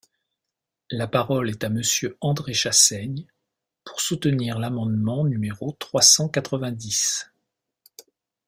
La parole est à Monsieur André Chassaigne, pour soutenir l’amendement numéro trois cent quatre-vingt-dix.